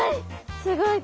すごい。